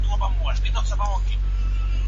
هغه خپل مبایل سمدستي بند کړ.